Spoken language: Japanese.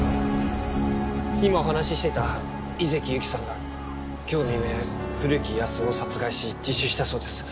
今お話ししていた井関ゆきさんが今日未明古木保男を殺害し自首したそうです。